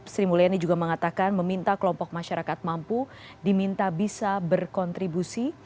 sri mulyani juga mengatakan meminta kelompok masyarakat mampu diminta bisa berkontribusi